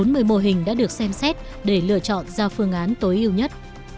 bốn mươi mô hình đã được xem xét để lựa chọn ra phương án tối ưu nhất